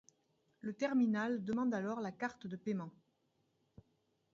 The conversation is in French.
Le terminal demande alors la carte de paiement.